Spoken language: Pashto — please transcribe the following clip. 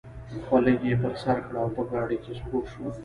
خولۍ یې پر سر کړه او په ګاډۍ کې سپور شو.